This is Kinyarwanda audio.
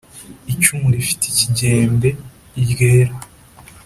Icumu rifite ikigembe ryera